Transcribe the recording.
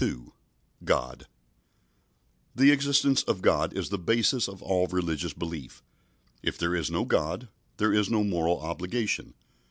GOD The existence of God is the basis of all religious belief. If there is no God, there is no moral obligation.